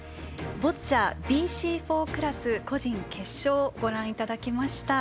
ボッチャＢＣ４クラス個人決勝、ご覧いただきました。